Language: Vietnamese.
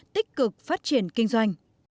tích cực phát triển kinh doanh